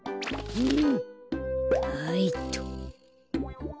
うん？